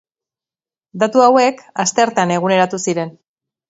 Datu hauek asteartean eguneratu ziren.